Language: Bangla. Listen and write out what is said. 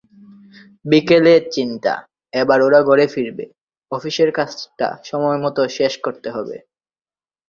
বিকেলে চিন্তা, এবার ওরা ঘরে ফিরবে, অফিসের কাজটা সময়মতো শেষ করতে হবে।